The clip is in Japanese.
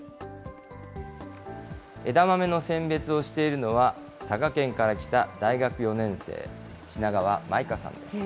枝豆の選別をしているのは、佐賀県から来た大学４年生、品川真衣花さんです。